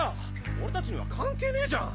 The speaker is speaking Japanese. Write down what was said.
俺達には関係ねじゃん！